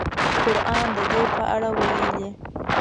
قران د دې په اړه ویلي.